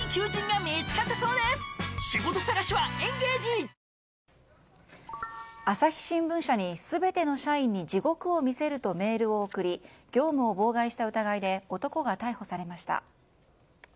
新「グリーンズフリー」朝日新聞社に全ての社員に地獄を見せるとメールを送り業務を妨害した疑いで男が逮捕されました。